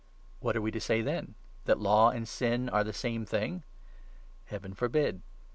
What are we to say, then ? That Law and sin are the same 7 thing? Heaven forbid!